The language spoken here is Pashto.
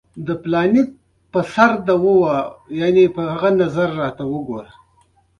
تراوسه مو ملي ادرس پیدا نکړای شو.